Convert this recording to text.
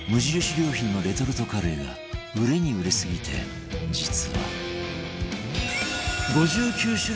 良品のレトルトカレーが売れに売れすぎて実は